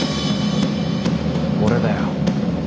俺だよ。